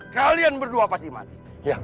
kalian berdua pasti mati